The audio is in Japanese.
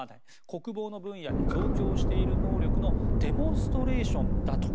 国防の分野で増強している能力のデモンストレーションだと。